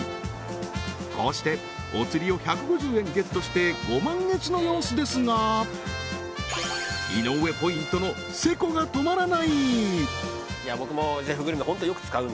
こうしてお釣りを１５０円ゲットしてご満悦の様子ですが井上ポイントのセコが止まらない